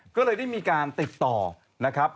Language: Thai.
ก็เลยได้มีการติดต่อนะครับ